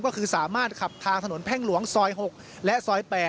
ก็คือสามารถขับทางถนนแพ่งหลวงซอย๖และซอย๘